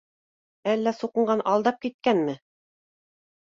— Әллә, суҡынған, алдап киткәнме?